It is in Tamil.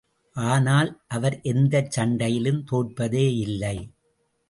ஆனால், அவர் எந்தச் சண்டையிலும் தோற்பதேயில்லை.